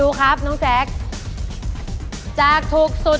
อุปกรณ์ทำสวนชนิดใดราคาถูกที่สุด